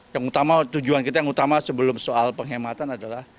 yang utama tujuan kita yang utama sebelum soal penghematan adalah